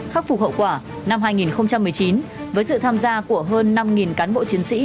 khắc phục hậu quả năm hai nghìn một mươi chín với sự tham gia của hơn năm cán bộ chiến sĩ